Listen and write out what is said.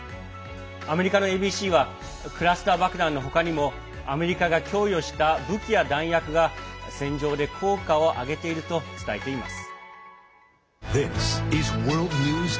アメリカのＡＢＣはクラスター爆弾の他にもアメリカが供与した武器や弾薬が戦場で効果を上げていると伝えています。